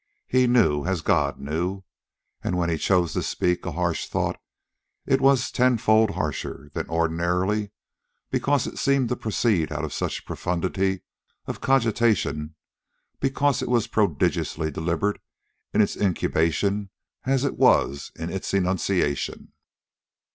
He knew, as God knew. And when he chose to speak a harsh thought, it was ten fold harsher than ordinarily, because it seemed to proceed out of such profundity of cogitation, because it was as prodigiously deliberate in its incubation as it was in its enunciation.